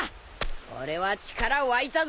俺は力湧いたぞ！